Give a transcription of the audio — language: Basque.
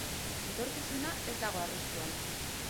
Etorkizuna ez dago arriskuan.